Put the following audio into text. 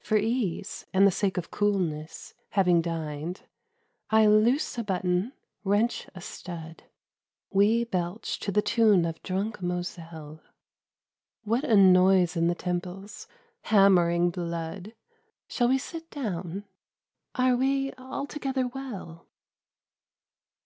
For ease And the sake of coolness, having dined, I loose a button, wrench a stud. We belch to the tune of drunk Moselle. What a noise in the temples hammering blood, Shall we sit down ? Are we altogether well